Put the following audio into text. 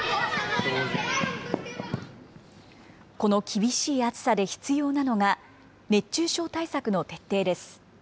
この厳しい暑さで必要なのが、熱中症対策の徹底です。